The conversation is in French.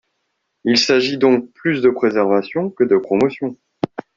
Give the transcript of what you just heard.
Il s’agit donc plus de préservation que de promotion.